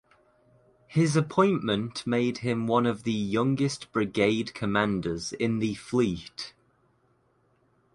His appointment made him one of the youngest brigade commanders in the fleet.